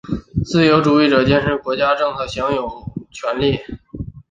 自由主义者坚持国家政府享有有限的权力。